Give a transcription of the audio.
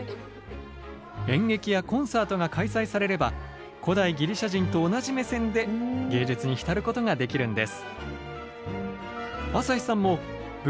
演劇やコンサートが開催されれば古代ギリシャ人と同じ目線で芸術に浸ることができるんです。